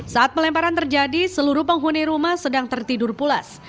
saat pelemparan terjadi seluruh penghuni rumah sedang tertidur pulas